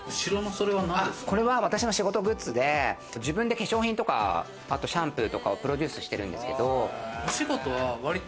これは私の仕事グッズで自分で化粧品とかシャンプーとかをプロデュースしてるんですけど。